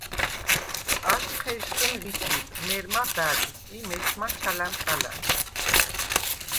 აშხვ ხეჟხჷნ ვისიბ, მერმა ბა̈დრ ი მესმა ჩალა̈მკალა̈მ.